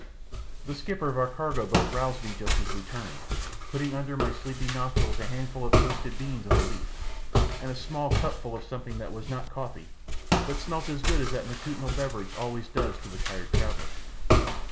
The skipper of our cargo boat roused me just as we turned, putting under my sleepy nostrils a handful of toasted beans on a leaf, and a small cup full of something that was not coffee, but smelt as good as that matutinal beverage always does to the tired traveller.